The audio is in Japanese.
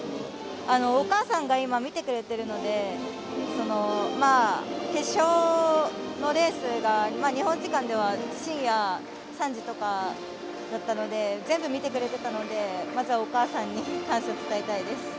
お母さんが今、見てくれてるので決勝のレースが、日本時間では深夜３時とかだったので全部見てくれてたのでまずはお母さんに感謝、伝えたいです。